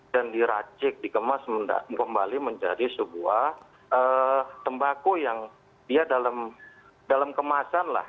diracik dikemas kembali menjadi sebuah tembako yang dia dalam kemasan lah